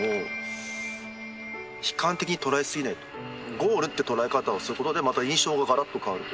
ゴールって捉え方をすることでまた印象ががらっと変わると。